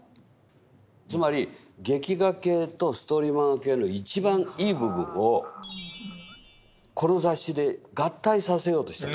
つまり劇画系とストーリー漫画系の一番いい部分をこの雑誌で合体させようとしたんです。